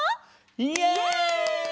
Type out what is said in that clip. イエイ。